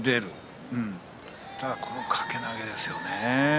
ただこの掛け投げですよね。